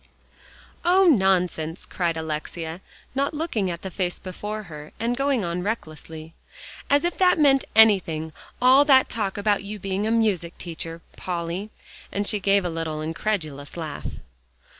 "Oh! nonsense," cried Alexia, not looking at the face before her, and going on recklessly, "as if that meant anything, all that talk about your being a music teacher, Polly," and she gave a little incredulous laugh.